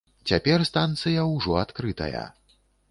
Цяпер станцыя ўжо адкрытая.